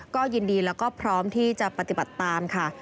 ก็ยินดีแล้วก็พร้อมที่จะปฏิบัติตามค่ะ